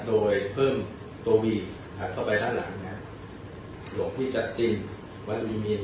โดยเพิ่มตัววีด์เข้าไปร้านหลังนะครับหลวงพี่วัดวีมีน